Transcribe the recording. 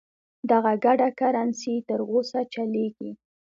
دغه ګډه کرنسي تر اوسه چلیږي.